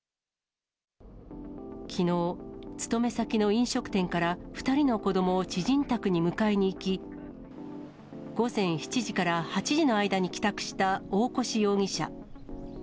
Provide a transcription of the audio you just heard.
きのう、勤め先の飲食店から２人の子どもを知人宅に迎えにいき、午前７時から８時の間に帰宅した大越容疑者。